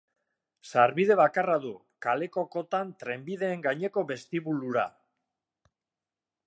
Sarbide bakarra du, kaleko kotan trenbideen gaineko bestibulura.